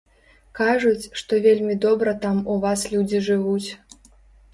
Кажуць, што вельмі добра там у вас людзі жывуць.